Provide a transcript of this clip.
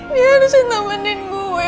dia harusnya temenin gue